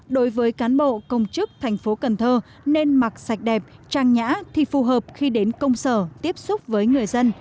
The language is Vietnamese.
đối với cán bộ công chức thành phố cần thơ nên mặc sạch đẹp trang nhã thì phù hợp khi đến công sở tiếp xúc với người dân